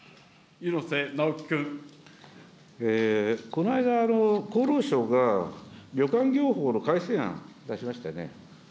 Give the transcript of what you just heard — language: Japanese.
この間、厚労省が旅館業法の改正案、出しましたよね。